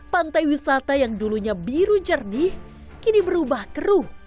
pantai wisata yang dulunya biru jernih kini berubah keruh